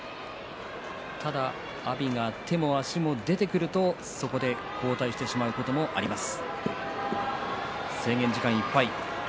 ただ阿炎が手も足も出てくるとそこで後退してしまうこともあります。